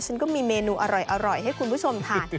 ฉันก็มีเมนูอร่อยให้คุณผู้ชมทาน